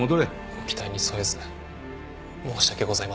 ご期待に沿えず申し訳ございません。